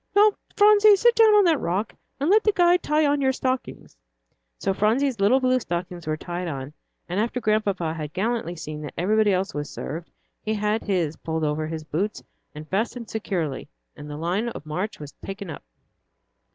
"Now, Phronsie, sit down on that rock, and let the guide tie on your stockings." So Phronsie's little blue stockings were tied on, and after Grandpapa had gallantly seen that everybody else was served, he had his pulled on over his boots and fastened securely, and the line of march was taken up.